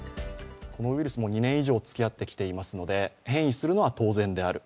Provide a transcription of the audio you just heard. このウイルスとも２年以上つきあってきていますので変異するのは当然である。